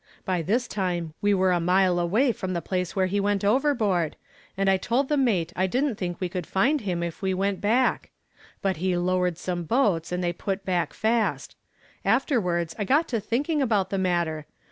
By this time we were a mile away from the place where he went overboard, and I told the mate I didn't think we could find him if we went back. But he lowered some boats and they put back fast. Afterwards I got to thinking about the matter.